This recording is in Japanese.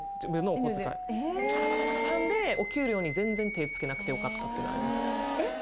なのでお給料に全然手つけなくてよかったっていうのはありますえっ？